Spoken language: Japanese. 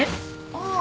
ああ。